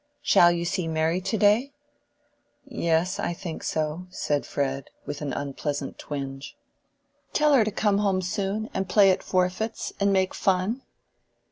"Shall you see Mary to day?" "Yes, I think so," said Fred, with an unpleasant twinge. "Tell her to come home soon, and play at forfeits, and make fun."